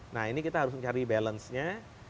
nah ini kita harus cari balance nya